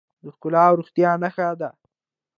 د ښکلا او روغتیا نښه ده.